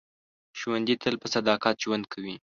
ژوندي تل په صداقت ژوند کوي